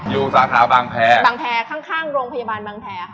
อยู่สาขาบางแพรข้างโรงพยาบาลบางแพร